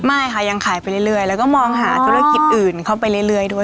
ไม่ค่ะยังขายไปเรื่อยแล้วก็มองหาธุรกิจอื่นเข้าไปเรื่อยด้วย